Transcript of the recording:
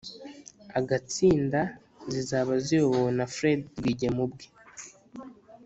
agatsinda zizaba ziyobowe na fred rwigema ubwe.